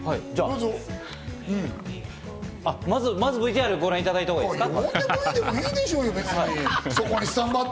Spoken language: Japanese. まずはＶＴＲをご覧いただいた方がいいですか？